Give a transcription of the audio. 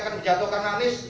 karena allah tuhan